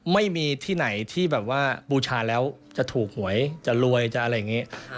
ไม่มีที่ไหนที่แบบว่าบูชาแล้วจะถูกหวยจะรวยจะอะไรอย่างนี้